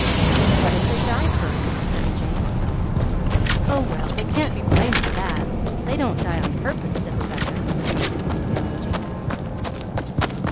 "What if they die first?" asked Emma Jane. "Oh, well, they can't be blamed for that; they don't die on purpose," said Rebecca, with a comfortable theology.